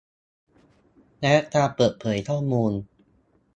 และการเปิดเผยข้อมูล